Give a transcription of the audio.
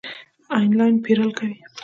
آنلاین پیرل کوئ؟